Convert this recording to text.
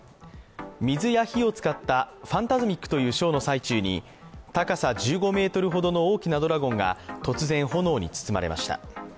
水や火を使ったファンタズミック！のショーの最中に高さ１５ｍほどの大きなドラゴンが突然、炎に包まれました。